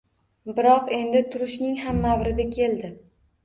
Biroq, endi turishning ham mavridi keldi